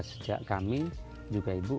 sejak kami juga ibu